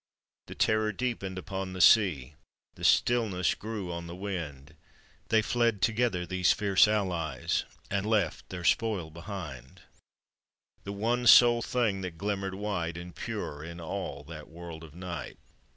450 APPENDIX. The terror deepened upon the sea, The stillness grew on the wind; They fled together, these fierce allies, And left their spoil behind — The one sole thing that glimmered white And pure in all that world of night.